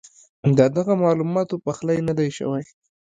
ددغه معلوماتو پخلی نۀ دی شوی